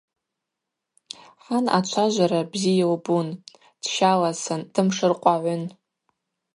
Хӏан ачважвара бзи йылбун, дщаласын, дымшыркъвагӏвын.